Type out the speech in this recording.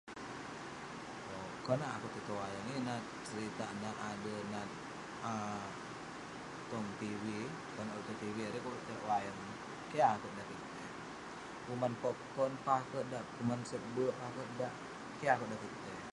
Owk, konak akouk tai tong wayang. Yeng nat seritak, nat ader, nat ah tong tv konak ulouk tai tong tv erei kek ulouk tai tong wayang ineh. Keh akouk dan kik tai. Kuman popcorn peh akouk dak. Kuman sep be'ek peh akouk dak. Keh akouk dan kik tai.